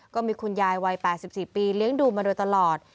ก็มีคุณยายวัย๘๔ปีเลี้ยงดูมาโดยตลอด